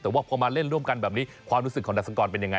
แต่ว่าพอมาเล่นร่วมกันแบบนี้ความรู้สึกของดาสกรเป็นยังไง